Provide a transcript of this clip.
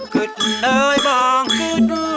กึดเลยบางกึด